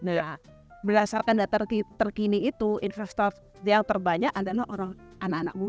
nah berdasarkan data terkini itu investor yang terbanyak adalah anak anak muda